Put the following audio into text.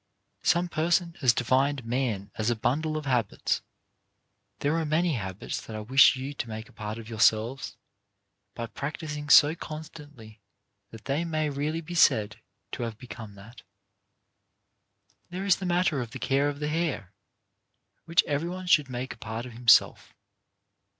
Some person has defined man as a bundle of habits. There are many habits that I wish you to make a part of yourselves, by practising so constantly that they may really be said to have become that. There is the matter of the care of the hair, which everyone should make a part of himself.